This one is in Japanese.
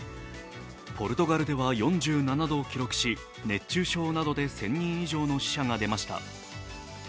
ポルトガルでは４７度を記録し熱中症などで１０００人以上の死者が出ました。